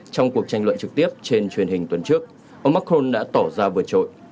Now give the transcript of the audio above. trong cuộc tranh luận trực tiếp trên truyền hình tuần trước ông mcoln đã tỏ ra vượt trội